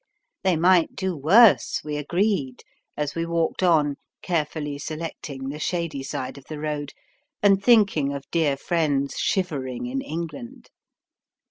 They might do worse, we agreed, as we walked on, carefully selecting the shady side of the road, and thinking of dear friends shivering in England.